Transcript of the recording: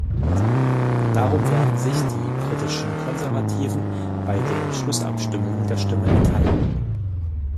Darum werden sich die britischen Konservativen bei den Schlussabstimmungen der Stimme enthalten.